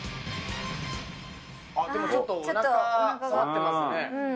でもちょっとおなか触ってますね。